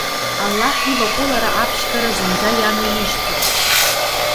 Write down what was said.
Аллаҳ иваҟәылара аԥшьгара зынӡа ианаижьӡом.